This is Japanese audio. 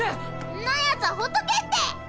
んなヤツはほっとけって！